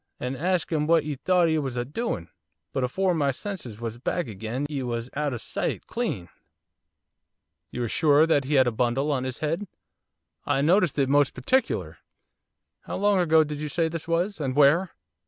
and hasked 'im what 'e thought 'e was a doin' of, but afore my senses was back agin 'e was out o' sight, clean!' 'You are sure he had a bundle on his head?' 'I noticed it most particular.' 'How long ago do you say this was? and where?